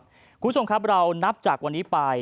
คุณผู้ชมครับเรานับจากวันนี้ไป